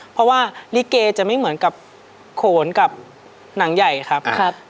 เพราะว่าลิเกจะไม่เหมือนกับโขนกับหนังใหญ่ครับ